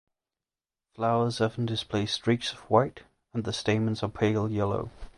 Flowers often display streaks of white and the stamens are pale yellow.